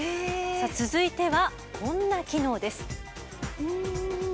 続いてはこんな機能です。